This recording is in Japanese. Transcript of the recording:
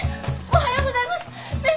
おはようございます。